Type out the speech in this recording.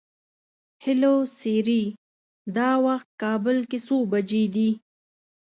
هلو سیري! دا وخت کابل کې څو بجې دي؟